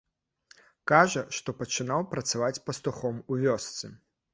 Кажа, што пачынаў працаваць пастухом у вёсцы.